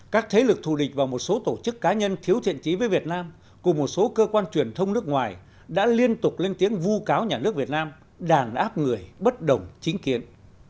các thế lực thù địch và một số tổ chức cá nhân thiếu thiện trí với việt nam cùng một số cơ quan truyền thông nước ngoài đã liên tục lên tiếng vu cáo nhà nước việt nam đàn áp người bất đồng chính kiến